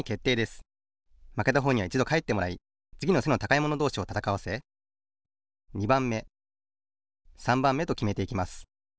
まけたほうにはいちどかえってもらいつぎの背の高いものどうしをたたかわせ２ばんめ３ばんめときめていきます。